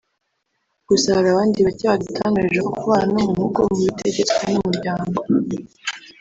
Gusa hari abandi bake badutangarije ko kubana n’umuhugu mubitegetswe n’umuryango